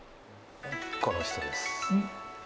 この人です。